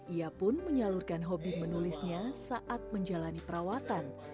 ia pun menyalurkan hobi menulisnya saat menjalani perawatan